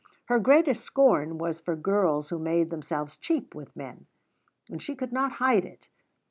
Her greatest scorn was for girls who made themselves cheap with men; and she could not hide it.